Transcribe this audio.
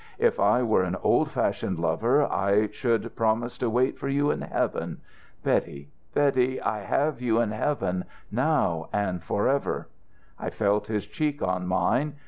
If I were an old fashioned lover I should promise to wait for you in heaven.... Betty, Betty, I have you in heaven now and forever!' ... I felt his cheek on mine.